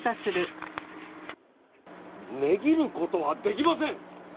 値切る事はできません！